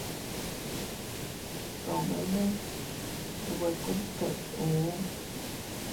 Tomene nwe kubkéʼuu.